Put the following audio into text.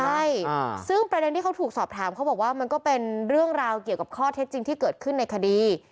ใช่ซึ่งประเด็นที่เขาถูกสอบถามเขาบอกว่ามันก็เป็นเรื่องราวเกี่ยวกับข้อเท็จจริงที่เกิดขึ้นในคดี